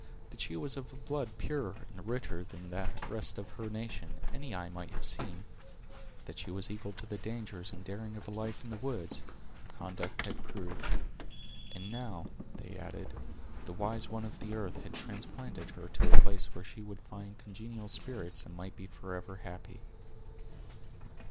That she was of a blood purer and richer than the rest of her nation, any eye might have seen; that she was equal to the dangers and daring of a life in the woods, her conduct had proved; and now, they added, the "wise one of the earth" had transplanted her to a place where she would find congenial spirits, and might be forever happy.